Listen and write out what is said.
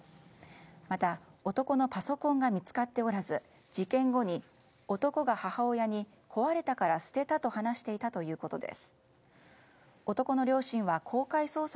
また男のパソコンが見つかっておらず事件後に男が母親に壊れたから捨てたと話していたということです。